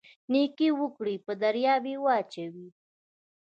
نیکي وکړئ په دریاب یې واچوئ